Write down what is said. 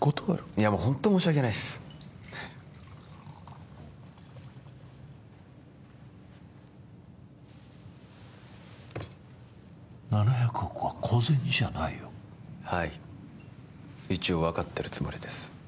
いやもうほんと申し訳ないっす７００億は小銭じゃないよはい一応分かってるつもりです